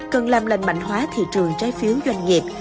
cần làm lành mạnh hóa thị trường trái phiếu doanh nghiệp